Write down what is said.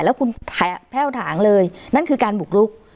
แล้วคุณแผ้วถางเลยนั่นคือการบุกลุก